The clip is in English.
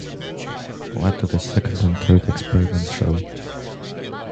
What do the second and the third experiments show?